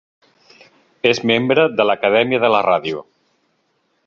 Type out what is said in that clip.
És membre de l'Acadèmia de la Ràdio.